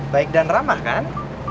baik dan ramah kan